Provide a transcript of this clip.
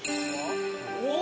お！